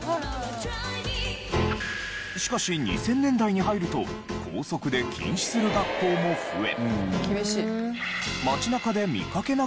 しかし２０００年代に入ると校則で禁止する学校も増え。